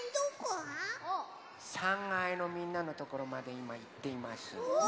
３かいのみんなのところまでいまいっています。